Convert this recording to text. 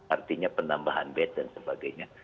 artinya penambahan bed dan sebagainya